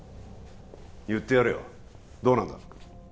言ってやれよどうなんだ？